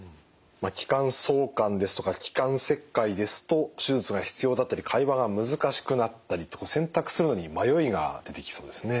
気管挿管ですとか気管切開ですと手術が必要だったり会話が難しくなったりと選択するのに迷いが出てきそうですね。